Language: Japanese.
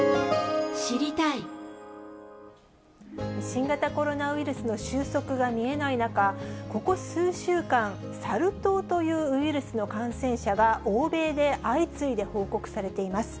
新型コロナウイルスの収束が見えない中、ここ数週間、サル痘というウイルスの感染者が、欧米で相次いで報告されています。